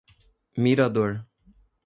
Mirador